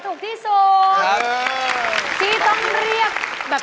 ถูกกว่า